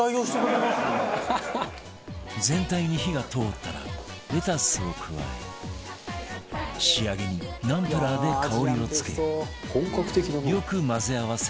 全体に火が通ったらレタスを加え仕上げにナンプラーで香りを付けよく混ぜ合わせれば